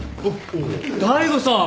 大吾さん。